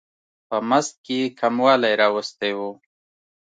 په مزد کې یې کموالی راوستی و.